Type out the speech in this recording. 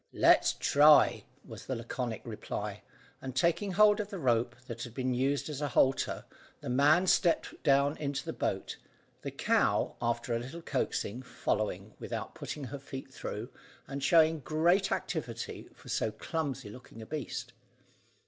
"Let's try," was the laconic reply, and taking hold of the rope that had been used as a halter, the man stepped down into the boat, the cow, after a little coaxing, following, without putting her feet through, and showing great activity for so clumsy looking a beast.